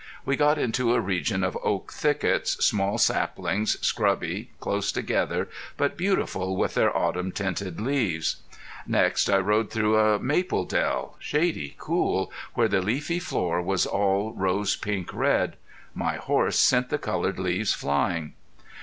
We got into a region of oak thickets, small saplings, scrubby, close together, but beautiful with their autumn tinted leaves. Next I rode through a maple dell, shady, cool, where the leafy floor was all rose pink red. My horse sent the colored leaves flying.